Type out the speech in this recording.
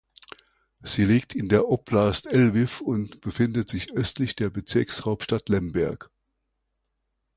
Sie liegt in der Oblast Lwiw und befindet sich östlich der Bezirkshauptstadt Lemberg.